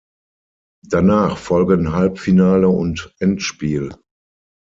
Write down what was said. Danach folgen Halbfinale und Endspiel.